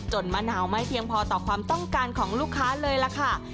มะนาวไม่เพียงพอต่อความต้องการของลูกค้าเลยล่ะค่ะ